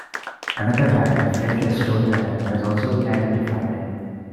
Another type, Flintless Stoneware, has also been identified.